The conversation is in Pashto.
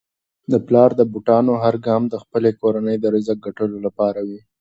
د پلار د بوټانو هر ګام د خپلې کورنی د رزق ګټلو لپاره وي.